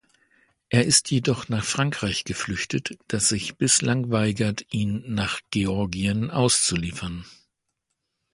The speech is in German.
Er ist jedoch nach Frankreich geflüchtet, das sich bislang weigert, ihn nach Georgien auszuliefern.